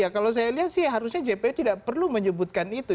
ya kalau saya lihat sih harusnya jpu tidak perlu menyebutkan itu